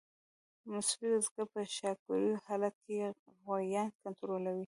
مصري بزګر په شاکړوپي حالت کې غویان کنټرولوي.